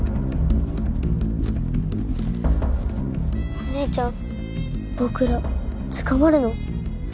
お姉ちゃん僕ら捕まるの？